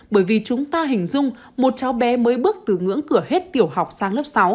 bởi vì chúng ta hình dung một cháu bé mới bước từ ngưỡng cửa hết tiểu học sang lớp sáu